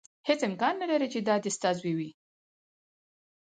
هېڅ امکان نه لري چې دا دې ستا زوی وي.